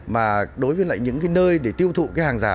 mà đối với lại những cái nơi để tiêu thụ cái hàng giả